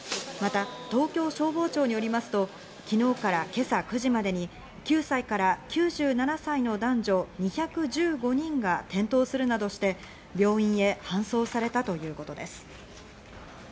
また東京消防庁によりますと昨日から今朝９時までに９歳から９７歳の男女２１５人が転倒するなどして病院へ搬送されたということです。